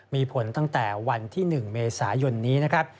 มีผลตั้งแต่วันที่๑เมษายนนี้นะครับ